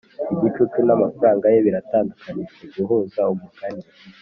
igicucu namafaranga ye biratandukanijwe guhuza umugani